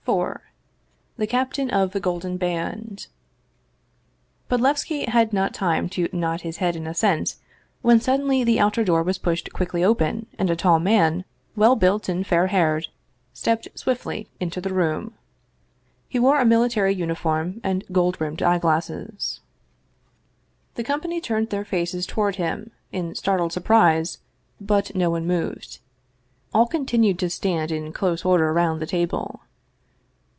IV THE CAPTAIN OF THE GOLDEN BAND BODLEVSKI had not time to nod his head in assent, when suddenly the outer door was pushed quickly open and a tall man, well built and fair haired, stepped swiftly into 191 Russian Mystery Stories the room. He wore a military uniform and gold rimmed eyeglasses. The company turned their faces toward him in startled surprise, but no one moved. All continued to stand in close order round the table.